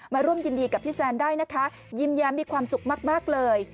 ร่วมยินดีกับพี่แซนได้นะคะยิ้มแย้มมีความสุขมากเลย